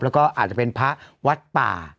แล้วก็อาจจะเป็นพระวัดป่า